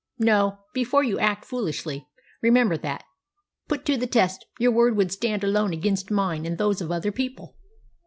"No. Before you act foolishly, remember that, put to the test, your word would stand alone against mine and those of other people.